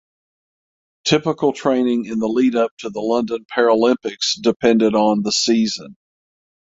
Typical training in the lead up to the London Paralympics depended on the season.